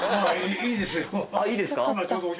あっいいですか？